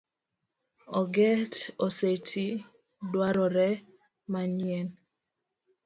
Onget oseti dwarore manyien.